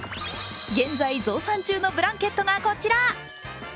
現在、増産中のブランケットがこちら。